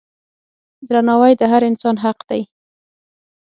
درناوی د هر انسان حق دی.